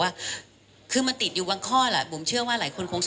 ถ้าเกิดมีการต่อสู้ในกระบวนการวิทยาลัยภาพ